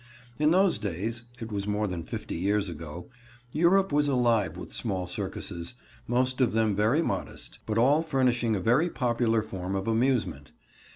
In those days—it was more than fifty years ago—Europe was alive with small circuses; most of them very modest, but all furnishing a very popular form of amusement.